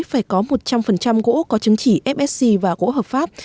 phải có một trăm linh gỗ có chứng chỉ fsc và gỗ hợp pháp